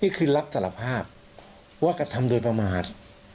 นี่คือรับสารภาพว่ากระทำโดยประมาท